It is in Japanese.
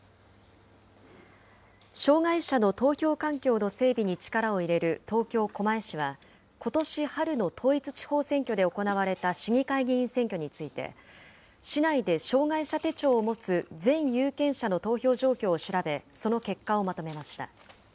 障害者の投票環境の整備に力を入れる東京・狛江市は、ことし春の統一地方選挙で行われた市議会議員選挙について、市内で障害者手帳を持つ全有権者の投票状況を調べ、その結果をまとめました。